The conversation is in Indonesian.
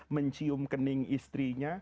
mencium kening istrinya